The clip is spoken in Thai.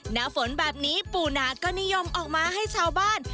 หน้าฝนแบบนี้ปู่นาดก็นิยมออกมาให้ชาวบ้าน